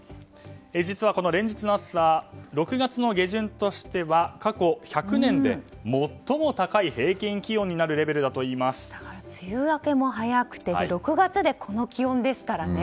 実は連日の暑さ６月の下旬としては過去１００年で最も高い平均気温になる梅雨明けも早くて６月でこの気温ですからね。